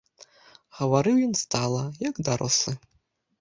Гаварыў ён стала, як дарослы.